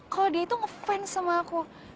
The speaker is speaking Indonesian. kalau dia itu ngefans sama aku